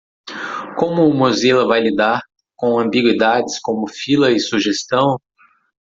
Como o Mozilla vai lidar com ambiguidades como fila e sugestão?